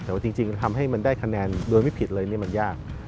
แต่ว่าจริงทำให้มันได้คะแนนโดยไม่ผิดเลยนี่มันยาก